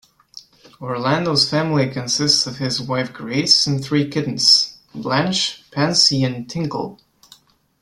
Orlando's family consist of his wife Grace, and three kittens: Blanche, Pansy and Tinkle.